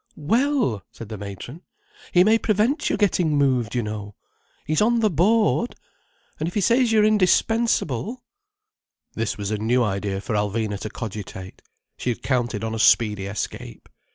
"Well—!" said the matron. "He may prevent your getting moved, you know. He's on the board. And if he says you are indispensable—" This was a new idea for Alvina to cogitate. She had counted on a speedy escape.